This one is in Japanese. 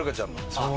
そう。